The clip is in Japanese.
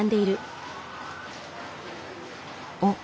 おっ！